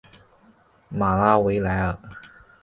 马拉维莱尔。